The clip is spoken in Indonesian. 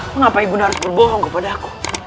mengapa ibu nda harus berbohong kepada aku